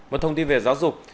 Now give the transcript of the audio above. một thông tin về giáo dục